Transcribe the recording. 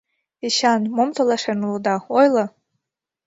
— Эчан, мом толашен улыда, ойло?